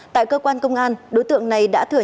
tại cơ quan công an đối tượng này đã truyền thông